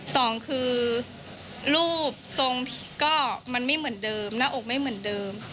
สองคือรูปทรงก็มันไม่เหมือนเดิมหน้าอกไม่เหมือนเดิม